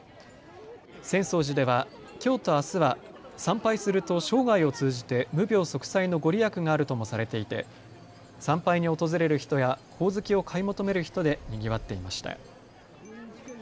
浅草寺ではきょうとあすは参拝すると生涯を通じて無病息災の御利益があるともされていて、参拝に訪れる人やほおずきを買い求める人でにぎわっていました。